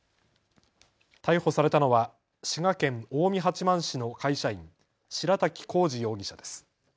逮捕されたのは滋賀県近江八幡市の会社員、白瀧宏治容疑者です。